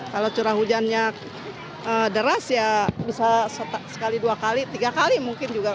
kalau curah hujannya deras ya bisa sekali dua kali tiga kali mungkin juga